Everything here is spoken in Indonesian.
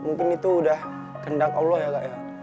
mungkin itu udah kendang allah ya kak ya